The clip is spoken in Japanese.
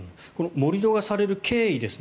盛り土がされる経緯ですね。